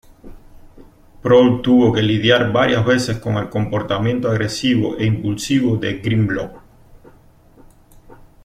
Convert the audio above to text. Prowl tuvo que lidiar varias veces con el comportamiento agresivo e impulsivo de Grimlock.